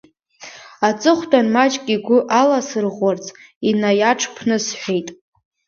Аҵыхәтәан маҷк игәы аласырӷәӷәарц инаиаҽԥнысҳәеит…